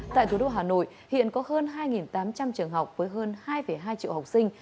tại thủ đô hà nội hiện có hơn hai tám trăm linh trường học với hơn hai hai triệu học sinh